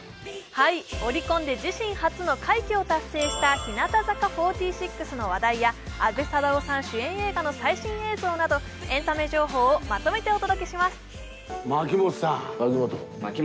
オリコンで自身初の快挙を達成した日向坂４６の話題や阿部サダヲさん主演の最新映画などエンタメ情報をまとめてお届けします。